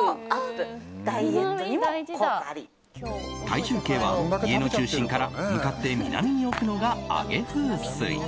体重計は、家の中心から向かって南に置くのが上げ風水。